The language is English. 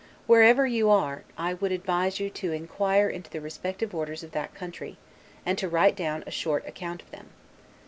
Wherever you are, I would advise you to inquire into the respective orders of that country, and to write down a short account of them.